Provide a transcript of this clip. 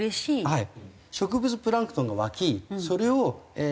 はい。